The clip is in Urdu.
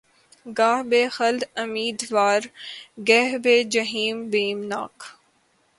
گاہ بہ خلد امیدوار‘ گہہ بہ جحیم بیم ناک